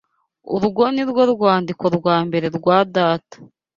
Urwo ni rwo rwandiko rwa mbere rwa data.